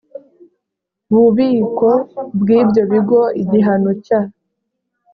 bubiko bw ibyo bigo igihano cya